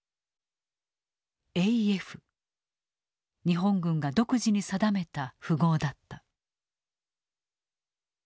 日本軍が独自に定めた符号だった。